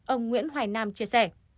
ông nguyễn hoài nam chia sẻ